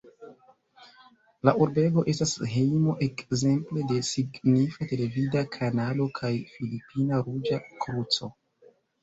La urbego estas hejmo ekzemple de signifa televida kanalo kaj Filipina Ruĝa Kruco.